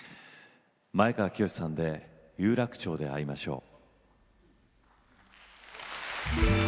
前川清さんで「有楽町で逢いましょう」。